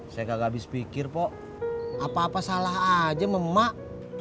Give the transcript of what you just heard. saya kagak habis pikir pok apa apa salah aja memang